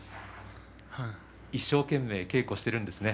一生懸命稽古しているんですね。